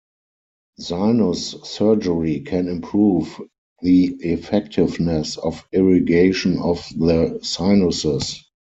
Sinus surgery can improve the effectiveness of irrigation of the sinuses.